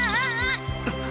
あっ。